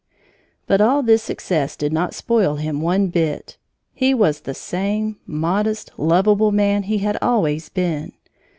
But all this success did not spoil him one bit. He was the same modest, lovable man he had always been.